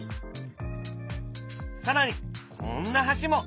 更にこんな橋も。